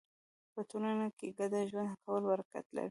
په ټولنه کې ګډ ژوند کول برکت لري.